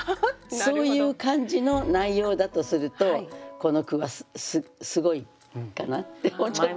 そういう感じの内容だとするとこの句はすごいかなってちょっと思ったり。